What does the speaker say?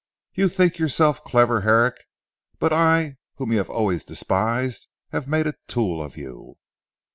"You think yourself clever Herrick, but I, whom you have always despised, have made a tool of you."